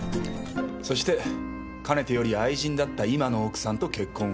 そしてかねてより愛人だった今の奥さんと結婚をした。